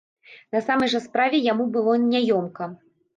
На самай жа справе яму было няёмка.